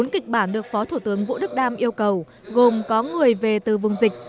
bốn kịch bản được phó thủ tướng vũ đức đam yêu cầu gồm có người về từ vùng dịch